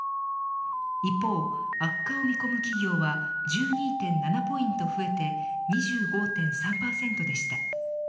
一方、悪化を見込む企業は１２．７ポイント増えて２５．３％でした。